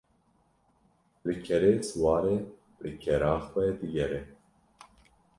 Li kerê siwar e li kera xwe digere